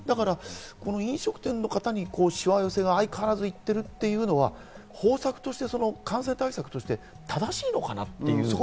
飲食店の方にしわ寄せが相変わらず行っているというのは、方策として感染対策として正しいのかなって。